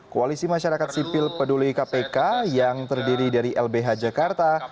koalisi masyarakat sipil peduli kpk yang terdiri dari lbh jakarta